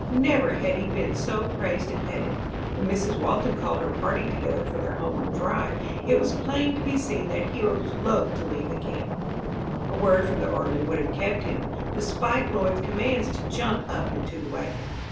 Never had he been so praised and petted. When Mrs. Walton called her party together for their homeward drive, it was plain to be seen that Hero was loath to leave the camp. A word from the orderly would have kept him, despite Lloyd's commands to jump up into the wagon.